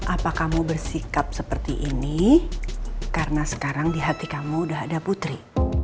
apa kamu bersikap seperti ini karena sekarang di hati kamu udah ada putri